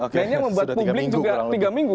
kayaknya membuat publik juga tiga minggu